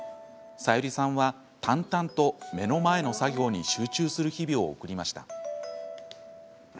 サユリさんは淡々と目の前の作業に集中する日々を送りました。